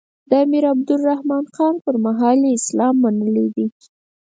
د امیر عبدالرحمان خان پر مهال یې اسلام منلی دی.